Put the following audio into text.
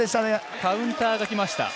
カウンターが来ました。